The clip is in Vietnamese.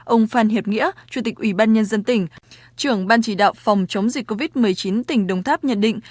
ông phan hiệp nghĩa chủ tịch ủy ban nhân dân tỉnh trưởng ban chỉ đạo phòng chống dịch covid một mươi chín tỉnh đồng tháp nhận định